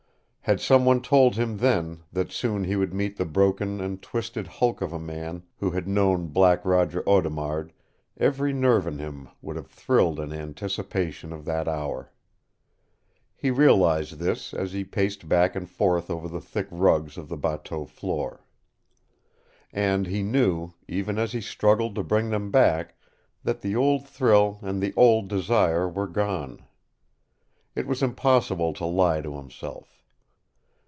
Had some one told him then that soon he would meet the broken and twisted hulk of a man who had known Black Roger Audemard, every nerve in him would have thrilled in anticipation of that hour. He realized this as he paced back and forth over the thick rugs of the bateau floor. And he knew, even as he struggled to bring them back, that the old thrill and the old desire were gone. It was impossible to lie to himself.